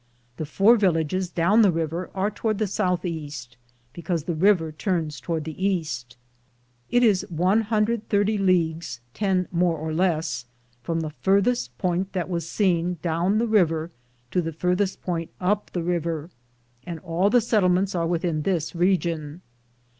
The four villages down the river are toward the southeast, because the river turns toward the east.* It is 130 leagues — 10 more or less — from the farthest point that was seen down the river to the farthest point up the river, and all the settle ments are within this region.